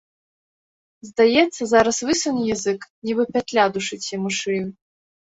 Здаецца, зараз высуне язык, нібы пятля душыць яму шыю.